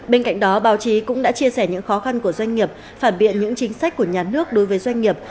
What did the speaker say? bên cạnh đó báo chí cũng đã chia sẻ những khó khăn của doanh nghiệp phản biện những chính sách của nhà nước đối với doanh nghiệp